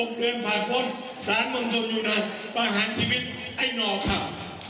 พอ๖เดือนผ่านบนสารมงธนยุนันมาหาทีวิตไอ้นอคัม